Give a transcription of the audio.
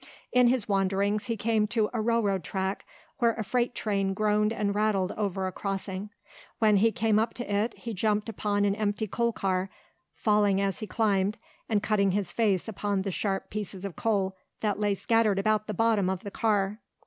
In his wanderings he came to a railroad track where a freight train groaned and rattled over a crossing. When he came up to it he jumped upon an empty coal car, falling as he climbed, and cutting his face upon the sharp pieces of coal that lay scattered about the bottom of the car.